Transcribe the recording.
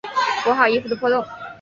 补好衣服的破洞